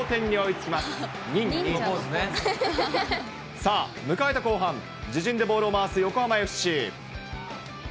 さあ、迎えた後半、自陣でボールを回す横浜ＦＣ。